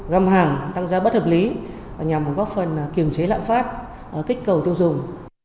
găm hàng tăng giá bất hợp lý nhằm góp phần kiềm chế lạm phát kích cầu tiêu dùng